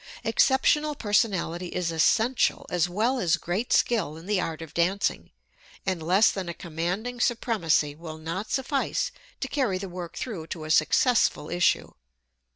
Exceptional personality is essential, as well as great skill in the art of dancing, and less than a commanding supremacy will not suffice to carry the work through to a successful issue.